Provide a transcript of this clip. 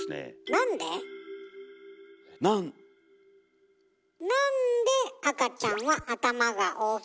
なんで赤ちゃんは頭が大きいの？